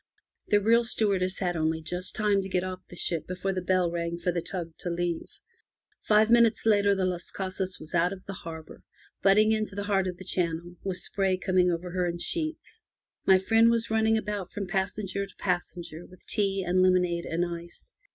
The real stewardess had only just time to get off the ship before the bell rang for the tug to leave. Five minutes later the Las Casas was out of the harbour, butting into the heart of the channel, with spray coming over her in sheets. My friend was running about from passenger to passenger with tea and lemonade and ice.